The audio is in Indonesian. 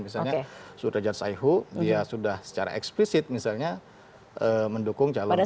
misalnya sudrajat saihu dia sudah secara eksplisit misalnya mendukung calon presiden